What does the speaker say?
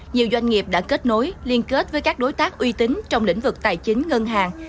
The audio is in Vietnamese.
nhiều doanh nghiệp đã kết nối liên kết với các đối tác uy tín trong lĩnh vực tài chính ngân hàng